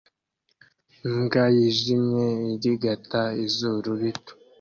Imbwa yijimye irigata izuru rito